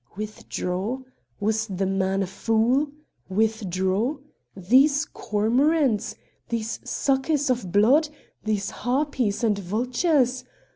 Withdraw? Was the man a fool? Withdraw? these cormorants! these suckers of blood! these harpies and vultures!